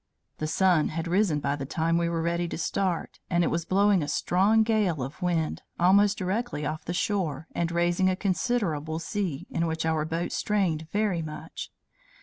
The sun had risen by the time we were ready to start; and it was blowing a strong gale of wind, almost directly off the shore, and raising a considerable sea, in which our boat strained very much.